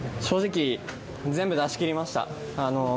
正直、全部出し切りました。